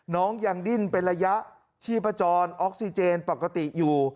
น้องยังดิ้นเป็นระยะชีพจรออกซิเจนปกติอยู่